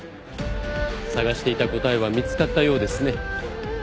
探していた答えは見つかったようですね。